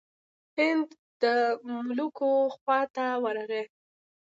هند د ملوکو خواته ورغی.